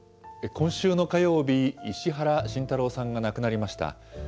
今週の火曜日、石原慎太郎さんが亡くなりました。